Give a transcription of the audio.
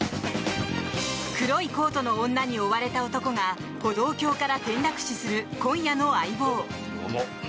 黒いコートの女に追われた男が歩道橋から転落死する今夜の「相棒」。